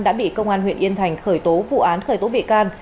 đã bị công an huyện yên thành khởi tố vụ án khởi tố bị can